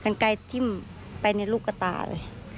คนแรกคัรไกรที่ไปในลูกกระตาเลย